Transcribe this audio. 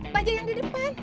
panjang yang di depan